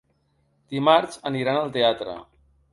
Dimarts aniran al teatre.